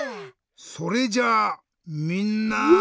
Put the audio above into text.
それじゃみんな。